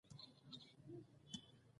هغه د نورو خزانو د لوټلو څخه ترلاسه کړي وه.